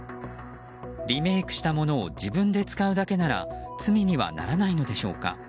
リメイクしたものを自分で使うだけなら罪にはならないのでしょうか。